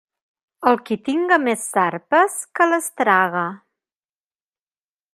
El qui tinga més sarpes, que les traga.